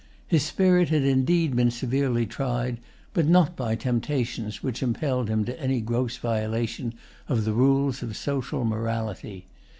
His spirit had indeed been severely tried, but not by temptations which impelled him to any gross violation of the rules of social morality.